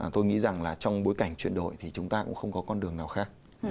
tôi nghĩ rằng là trong bối cảnh chuyển đổi thì chúng ta cũng không có con đường nào khác